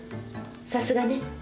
さすがね。